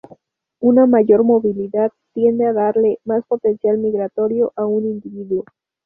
Una mayor movilidad tiende a darle más potencial migratorio a un individuo.